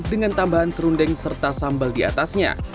dengan tambahan serundeng serta sambal di atasnya